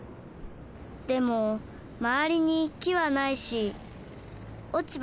でもまわりに木はないし落ち葉